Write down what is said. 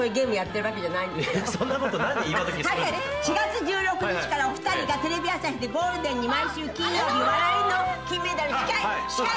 ４月１６日からお二人がテレビ朝日でゴールデンに毎週金曜日『笑いの金メダル』司会！